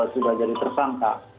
sudah jadi tersangka